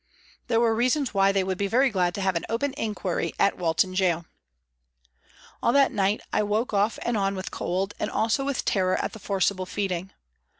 There were reasons why they would be very glad to have an open inquiry at Walton Gaol. All that night I woke off and on with cold, and also with terror at the forcible feeding.